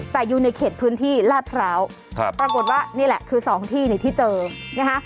แต่อยู่ในเขตพื้นที่ลาดพร้าวปรากฏว่านี่แหละคือสองที่เนี่ยที่เจอนะคะ